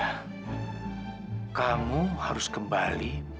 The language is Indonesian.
lewanya sendiri kebelakangan vince